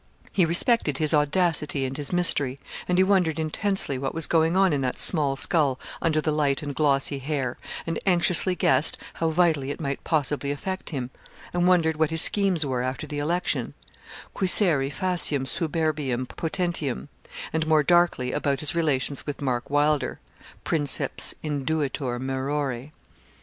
He respected his audacity and his mystery, and he wondered intensely what was going on in that small skull under the light and glossy hair, and anxiously guessed how vitally it might possibly affect him, and wondered what his schemes were after the election quiescere faciam superbiam potentium; and more darkly about his relations with Mark Wylder Princeps induetur maerore.